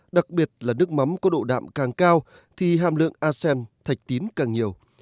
đặc biệt là nước mắm có độ đạm càng cao thì hàm lượng asem thạch tín càng nhiều